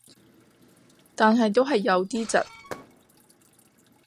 但係都係有啲窒